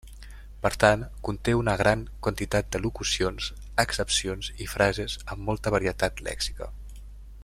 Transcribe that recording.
Per tant, conté una gran quantitat de locucions, accepcions i frases, amb molta varietat lèxica.